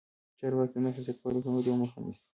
چارواکي د نرخ د زیاتوالي او کمېدو مخه نیسي.